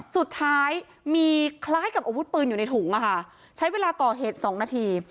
สุดท้ายมีคล้ายกับอาวุธปืนอยู่ในถุงอะค่ะใช้เวลาก่อเหตุ๒นาที